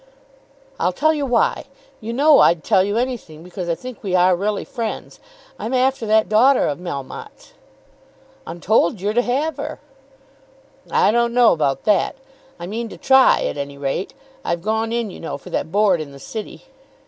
"I'll tell you why. You know I'd tell you anything because I think we are really friends. I'm after that daughter of Melmotte's." "I'm told you're to have her." "I don't know about that. I mean to try at any rate. I've gone in you know for that Board in the city."